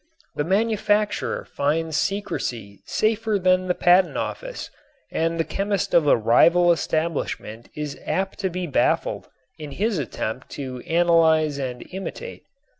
The manufacturer finds secrecy safer than the patent office and the chemist of a rival establishment is apt to be baffled in his attempt to analyze and imitate.